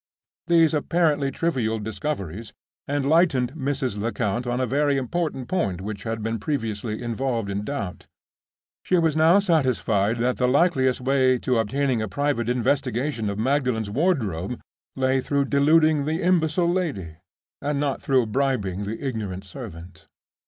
These apparently trivial discoveries enlightened Mrs. Lecount on a very important point which had been previously involved in doubt. She was now satisfied that the likeliest way to obtaining a private investigation of Magdalen's wardrobe lay through deluding the imbecile lady, and not through bribing the ignorant servant.